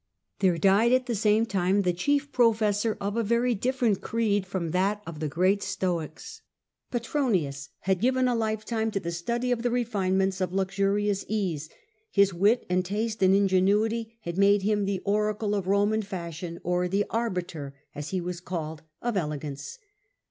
There died at the same time the chief professor of a very different creed from that of the great Stoics. Petronius Pctronius had given a lifetime to the study Arbiter, of the refinements of luxurious ease : his wit and taste and ingenuity had made him the oracle of Roman fashion, or the ^arbiter,' as he was called, of elegance.